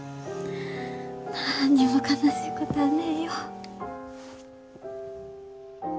なんにも悲しいこたあねえよ。